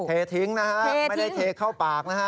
ไม่ได้แทเข้าปากนะฮะ